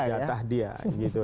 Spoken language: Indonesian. jatah dia gitu